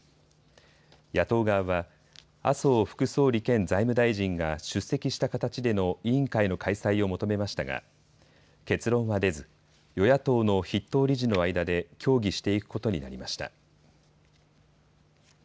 野党側は麻生副総理兼財務大臣が出席した形での委員会の開催を求めましたが、結論は出ず与野党の筆頭理事の間で協議していくことになりました。